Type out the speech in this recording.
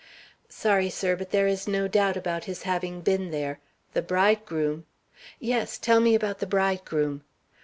"Sorry, sir, but there is no doubt about his having been there. The bridegroom " "Yes, tell me about the bridegroom."